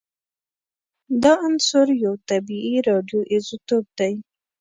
دا عنصر یو طبیعي راډیو ایزوتوپ دی